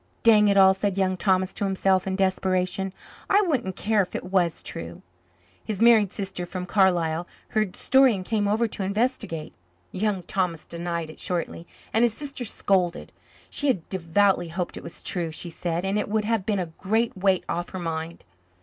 "Dang it all," said Young Thomas to himself in desperation. "I wouldn't care if it was true." His married sister from Carlisle heard the story and came over to investigate. Young Thomas denied it shortly, and his sister scolded. She had devoutly hoped it was true, she said, and it would have been a great weight off her mind.